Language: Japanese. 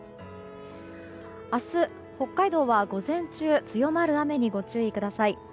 明日、北海道は午前中強まる雨にご注意ください。